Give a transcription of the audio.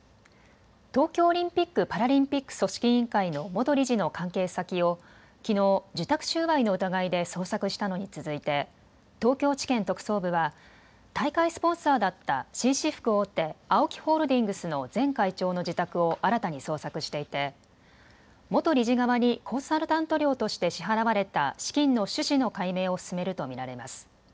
東京オリンピック・パラリンピック組織委員会の元理事の関係先をきのう受託収賄の疑いで捜索したのに続いて東京地検特捜部は大会スポンサーだった紳士服大手ＡＯＫＩホールディングスの前会長の自宅を新たに捜索していて元理事側にコンサルタント料として支払われた資金の趣旨の解明を進めると見られます。